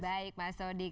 baik mas odik